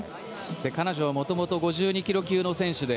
彼女はもともと５２ｋｇ級の選手で